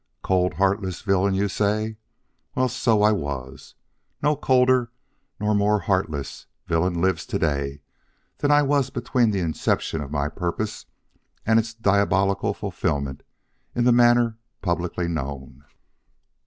Cold, heartless villain! you say. Well, so I was; no colder nor more heartless villain lives to day than I was between the inception of my purpose and its diabolical fulfillment in the manner publicly known.